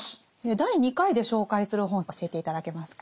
第２回で紹介する本教えて頂けますか？